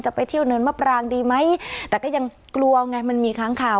ไปเที่ยวเนินมะปรางดีไหมแต่ก็ยังกลัวไงมันมีค้างข่าว